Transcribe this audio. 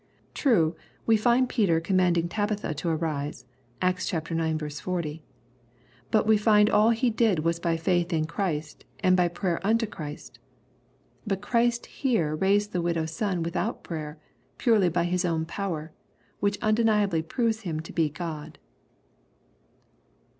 True, we find Peter commanding Tabitha to arise, (Acts ix. 40,) but we find all he did was by faith in Christ, and by prayer unto Christ. But Christ here raised the widow's son without prayer, purely by His own power ; which undeniably proves him to be God."